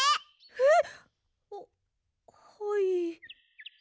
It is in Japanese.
えっ！？